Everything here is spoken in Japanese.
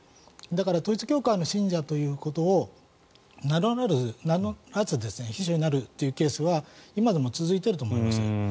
だから統一教会の信者ということを名乗らず秘書になるというケースは今でも続いていると思います。